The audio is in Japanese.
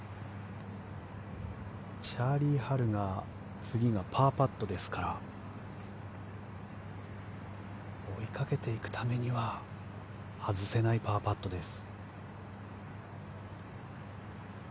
チャーリー・ハルが次がパーパットですから追いかけていくためには外せないパーパットです。